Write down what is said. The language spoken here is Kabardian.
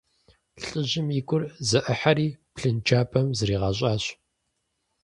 ЛӀыжьым и гур зэӀыхьэри, блынджабэм зригъэщӀащ.